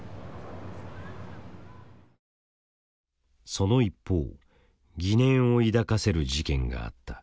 その一方疑念を抱かせる事件があった。